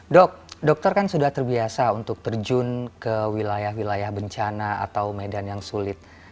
dok dokter kan sudah terbiasa untuk terjun ke wilayah wilayah bencana atau medan yang sulit